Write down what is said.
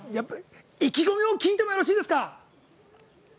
意気込みを聞いてもよろしいですか？